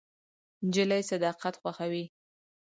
نجلۍ صداقت خوښوي.